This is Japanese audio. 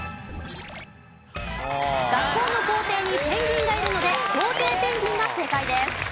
学校の校庭にペンギンがいるのでコウテイペンギンが正解です。